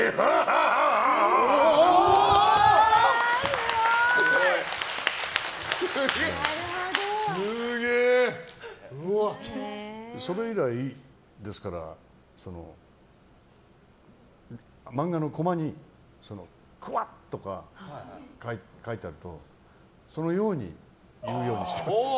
すごい！それ以来、ですから漫画のコマにくわっとか書いてあるとそのように言うようにしてます。